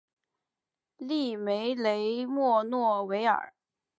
利梅雷默诺维尔。